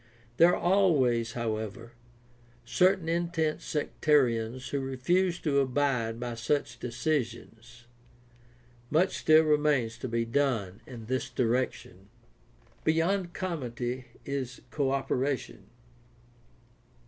There are always, however, certain intense sectarians who refuse to abide by such decisions. Much still remains to be done in this direction. Beyond comity is co operation.